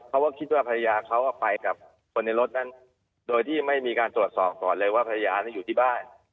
เขาก็คิดว่าภรรยาเขาไปกับคนในรถนั้นโดยที่ไม่มีการตรวจสอบก่อนเลยว่าภรรยาอยู่ที่บ้าน